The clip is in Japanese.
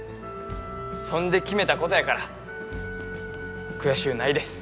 そんで決めたことやから悔しゅうないです